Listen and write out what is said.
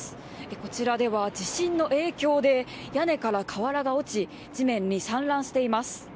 こちらでは地震の影響で屋根から瓦が落ち、地面に散乱しています。